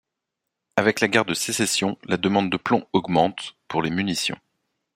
Avec la guerre de Sécession, la demande de plomb augmente, pour les munitions.